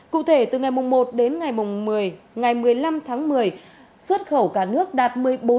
cụ thể từ ngày một đến ngày một mươi năm tháng một mươi xuất khẩu cả nước đạt một mươi bốn bảy